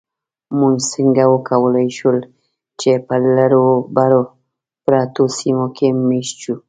موږ څنګه وکولی شول، چې په لرو پرتو سیمو کې مېشت شو؟